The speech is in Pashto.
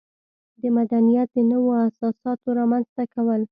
د مدنیت د نویو اساساتو رامنځته کول.